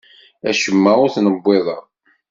Acemma ur t-nbiḍeɣ.